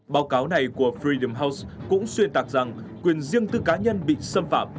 báo cáo này của freem house cũng xuyên tạc rằng quyền riêng tư cá nhân bị xâm phạm